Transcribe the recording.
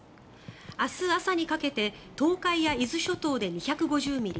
明日朝にかけて東海や伊豆諸島で２５０ミリ